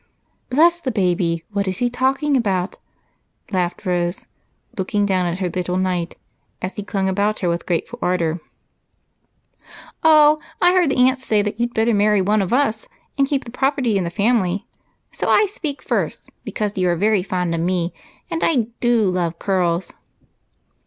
"Bless the baby, what is he talking about?" laughed Rose, looking down at her little knight as he clung about her with grateful ardor. "Oh, I heard the aunts say that you'd better marry one of us, and keep the property in the family, so I speak first, because you are very fond of me, and I do love curls."